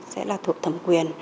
sẽ là thuộc thẩm quyền